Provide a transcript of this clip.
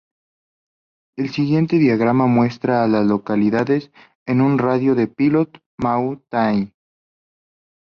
El siguiente diagrama muestra a las localidades en un radio de de Pilot Mountain.